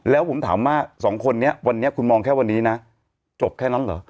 แล้วผมถามว่าสองคนนี้วันนี้คุณมองแค่วันนี้นะจบแค่นั้นเหรอ